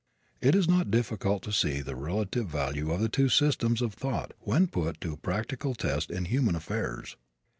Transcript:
It is not difficult to see the relative value of the two systems of thought when put to a practical test in human affairs.